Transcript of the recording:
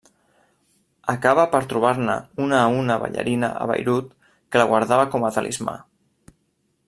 Acaba per trobar-ne una a una ballarina a Beirut que la guardava com a talismà.